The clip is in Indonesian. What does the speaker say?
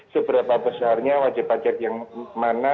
seberapa besarnya wajib pajak yang mana